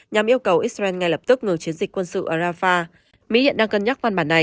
nhằm yêu cầu israel ngay lập tức ngừng chiến dịch quân sự ở rafah